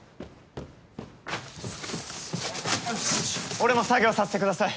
俺も作業させてください。